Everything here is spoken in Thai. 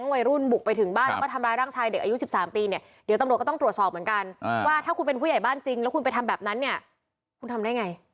ว่าถ้าคุณเป็นผู้ใหญ่บ้านจริงแล้วคุณไปทำแบบนั้นเนี่ยคุณทำได้ไง